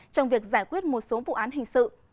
trong việc giải quyết một số vụ án hình sự